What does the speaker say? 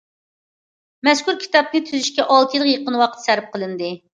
مەزكۇر كىتابنى تۈزۈشكە ئالتە يىلغا يېقىن ۋاقىت سەرپ قىلىندى.